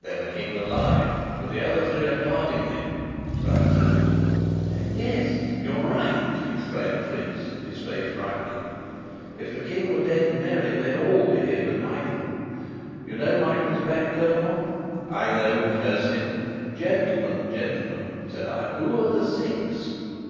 "Then the King's alive, for the other three are guarding him!" cried Sapt. "Yes you're right!" exclaimed Fritz, his face brightening. "If the King were dead and buried, they'd all be here with Michael. You know Michael's back, colonel?" "I know, curse him!" "Gentlemen, gentlemen," said I, "who are the Six?"